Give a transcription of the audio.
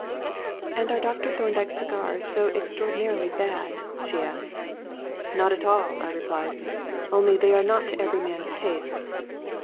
"And are Dr. Thorndyke's cigars so extraordinarily bad?" she asked. "Not at all," I replied; "only they are not to every man's taste.